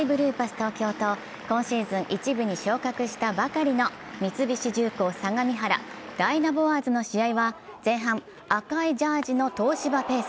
東京と今シーズン１部に昇格したばかりの三菱重工相模原ダイナボアーズの試合は前半、赤いジャージーの東芝ペース。